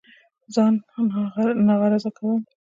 ځان ناغرضه كول